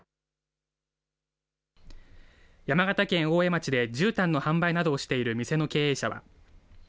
山形県大江町でじゅうたんの販売などをしている店の経営者は。